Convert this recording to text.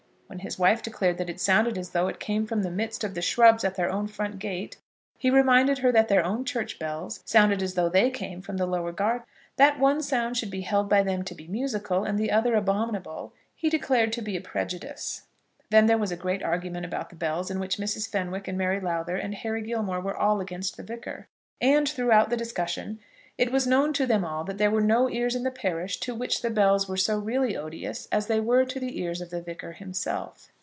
When his wife declared that it sounded as though it came from the midst of the shrubs at their own front gate, he reminded her that their own church bells sounded as though they came from the lower garden. That one sound should be held by them to be musical and the other abominable, he declared to be a prejudice. Then there was a great argument about the bells, in which Mrs. Fenwick, and Mary Lowther, and Harry Gilmore were all against the Vicar. And, throughout the discussion, it was known to them all that there were no ears in the parish to which the bells were so really odious as they were to the ears of the Vicar himself.